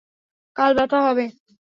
কাল ব্যথা হবে।